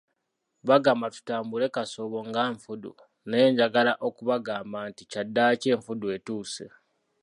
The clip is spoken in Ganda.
Bagamba tutambula kasoobo nga nfudu, naye njagala okubagamba nti kyaddaaki enfudu etuuse.